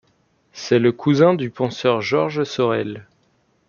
C’est le cousin du penseur Georges Sorel.